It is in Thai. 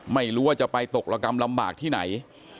ไม่รู้ว่าจะไปตกระกำลำบากที่ไหน